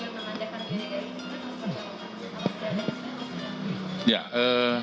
atau sudah ada hasilnya